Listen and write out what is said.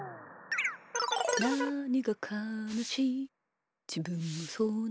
「なにかかなしいじぶんもそうなのに」